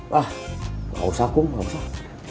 wah nggak usah kum nggak usah